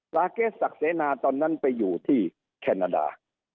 ลาเกสศักดิ์เสนาตอนนั้นไปอยู่ที่แคนาดา